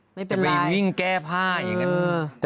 ไปวิ่งแก้ผ้าอย่างนั้น